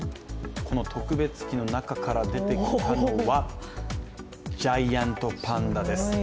この特別機の中から出てきたのはジャイアントパンダです。